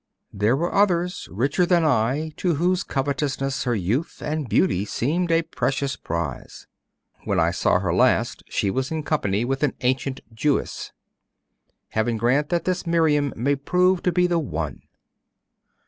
There were others, richer than I, to whose covetousness her youth and beauty seemed a precious prize. When I saw her last, she was in company with an ancient Jewess. Heaven grant that this Miriam may prove to be the one!